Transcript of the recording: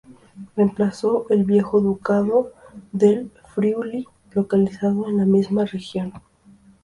Reemplazó al viejo Ducado del Friuli, localizado en la misma región.